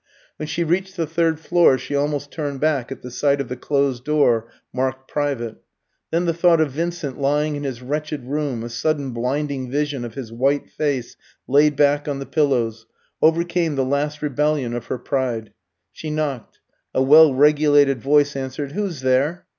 When she reached the third floor she almost turned back at the sight of the closed door marked "Private." Then the thought of Vincent lying in his wretched room, a sudden blinding vision of his white face laid back on the pillows, overcame the last rebellion of her pride. She knocked; a well regulated voice answered, "Who is there?"